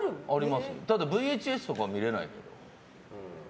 ただＶＨＳとかは見れない。